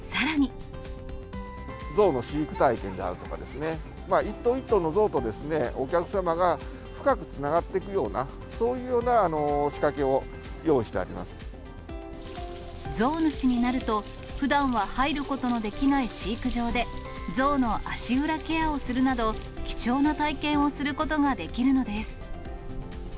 象の飼育体験であるとかですね、一頭一頭の象とお客様が深くつながっていくような、そういうよう象主になると、ふだんは入ることのできない飼育場で、象の足裏ケアをするなど、貴重な体験をすることができるのです。